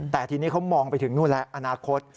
แต่ทีนี้เขามองไปถึงนู่นแล้วอนาคต